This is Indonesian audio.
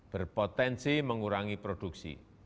berpotensi mengurangi produksi